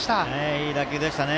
いい打球でしたね。